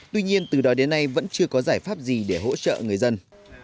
tuy nhiên từ đó đến nay vẫn chưa có giải pháp gì để hỗ trợ người dân